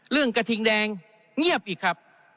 เรื่องกระทิงแดงเงียบอีกครับ